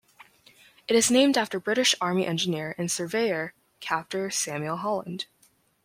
It is named after British Army engineer and surveyor Captain Samuel Holland.